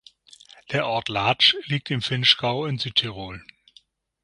Der Ort Latsch liegt im Vinschgau in Südtirol.